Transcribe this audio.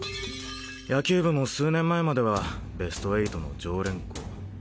野球部も数年前まではベスト８の常連校。